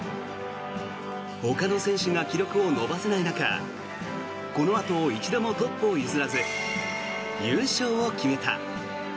ほかの選手が記録を伸ばせない中このあと一度もトップを譲らず優勝を決めた。